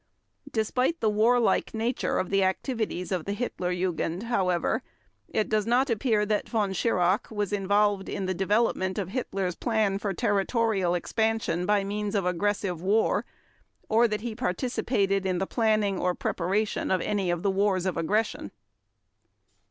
Despite the warlike nature of the activities of the Hitler Jugend, however, it does not appear that Von Schirach was involved in the development of Hitler's plan for territorial expansion by means of aggressive war, or that he participated in the planning or preparation of any of the wars of aggression.